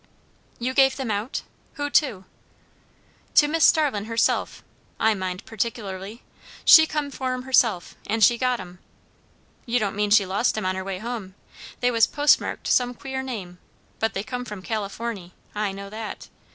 "You gave them out? Who to?" "To Mis' Starlin' herself. I mind partic'lerly. She come for 'em herself, and she got 'em. You don't mean she lost 'em on her way hum? They was postmarked some queer name, but they come from Californy; I know that.